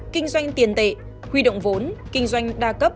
kinh doanh tiền tệ huy động vốn kinh doanh đa cấp